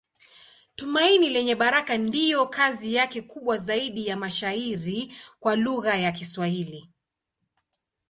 Tumaini Lenye Baraka ndiyo kazi yake kubwa zaidi ya mashairi kwa lugha ya Kiswahili.